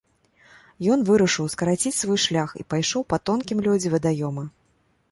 Ён вырашыў скараціць свой шлях і пайшоў па тонкім лёдзе вадаёма.